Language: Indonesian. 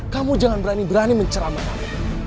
kamu jangan berani berani menceramat aku